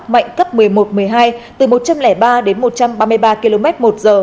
mạnh cấp một mươi một một mươi hai từ một trăm linh ba đến một trăm ba mươi ba km một giờ